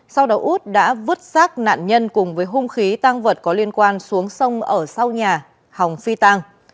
sau đó út đã vứt sát nạn nhân cùng với hung khí tăng vật có liên quan xuống sông ở sau nhà hòng phi tang